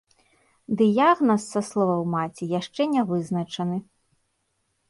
Дыягназ, са словаў маці, яшчэ не вызначаны.